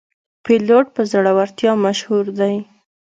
پیلوټ په زړورتیا مشهور دی.